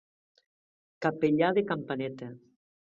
Capellà de campaneta.